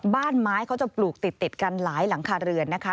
บ้านไม้เขาจะปลูกติดกันหลายหลังคาเรือนนะคะ